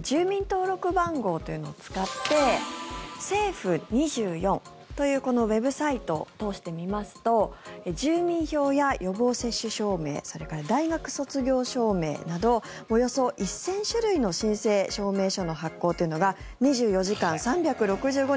住民登録番号というのを使って政府２４というウェブサイトを通して見ますと住民票や予防接種証明それから大学卒業証明などおよそ１０００種類の申請証明書の発行というのが２４時間３６５日